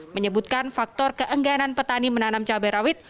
menyebutkan faktor keengganan petani menanam cabai rawit